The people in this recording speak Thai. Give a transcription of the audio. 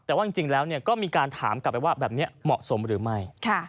แต่ว่าจริงแล้วก็มีการถามกลับไปว่าแบบนี้เหมาะสมหรือไม่